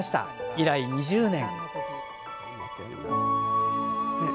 以来、２０年。